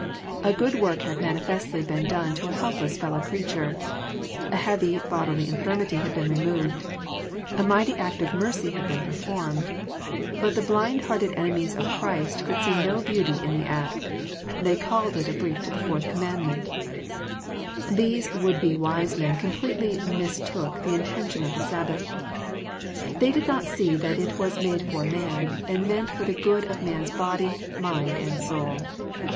A good work had manifestly been done to a helpless fellow creature. A heavy bodily infirmity had been re moved. A mighty act of mercy had been performed. But the blind hearted enemies of Christ could see no beauty in the act. They called it a breach of the Fourth Command ment I These would be wise men completely mistook the inten tion of the Sabbath. They did not see that it was '' made for man/' and meant for the good of man's body, mind, and soul.